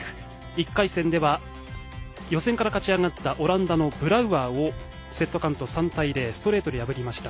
１回戦では予選から勝ち上がったオランダのブラウアーをセットカウント３対０ストレートで破りました。